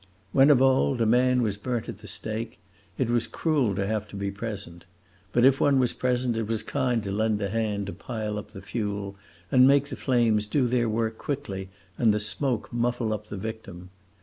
When, of old, a man was burnt at the stake it was cruel to have to be present; but if one was present it was kind to lend a hand to pile up the fuel and make the flames do their work quickly and the smoke muffle up the victim.